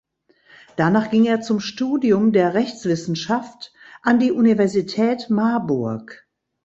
Danach ging er zum Studium der Rechtswissenschaft an die Universität Marburg.